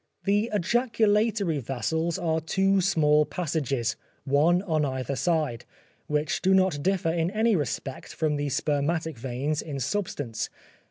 The ejaculatory vessels are two small passages, one on either side, which do not differ in any respect from the spermatic veins in substance.